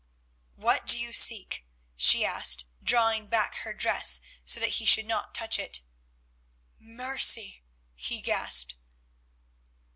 "What do you seek?" she asked, drawing back her dress so that he should not touch it. "Mercy," he gasped.